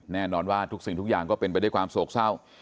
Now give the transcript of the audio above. แน่นอนว่าทุกสิ่งทุกอย่างก็เป็นไปด้วยความโศกเศร้า